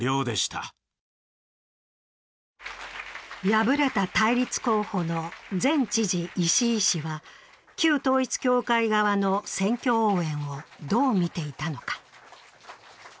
敗れた対立候補の前知事、石井氏は旧統一教会側の選挙応援をどう見ていたのか。